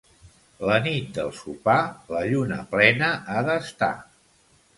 La nit del sopar, la lluna plena ha d'estar.